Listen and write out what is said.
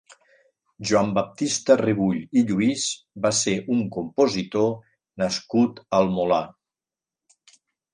Joan-Baptista Rebull i Lluís va ser un compositor nascut al Molar.